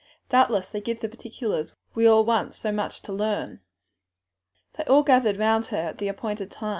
Doubtless they give the particulars we all want so much to learn." They all gathered round her at the appointed time.